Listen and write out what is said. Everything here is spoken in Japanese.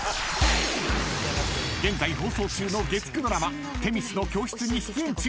［現在放送中の月９ドラマ『女神の教室』に出演中］